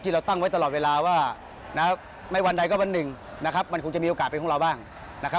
เราตั้งไว้ตลอดเวลาว่านะครับไม่วันใดก็วันหนึ่งนะครับมันคงจะมีโอกาสเป็นของเราบ้างนะครับ